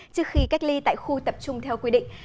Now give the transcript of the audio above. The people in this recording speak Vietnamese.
trước khi cách ly tại khu tập trung theo quy định